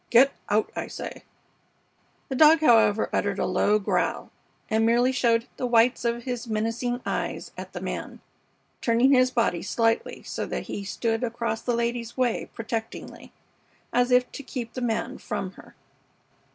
Get out, I say!" The dog, however, uttered a low growl and merely showed the whites of his menacing eyes at the man, turning his body slightly so that he stood across the lady's way protectingly, as if to keep the man from her.